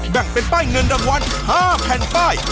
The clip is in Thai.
แบ่งเป็นป้ายเงินรางวัล๕แผ่นป้าย